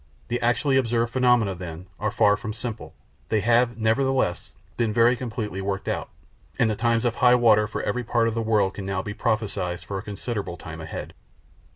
The actually observed phenomena, then, are far from simple; they have, nevertheless, been very completely worked out, and the times of high water for every port in the world can now be prophesied for a considerable time ahead.